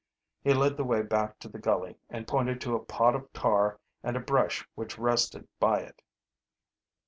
He led the way back to the gully and pointed to a pot of tar and a brush which rested by it.